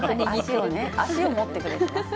足を持ってくれてますね。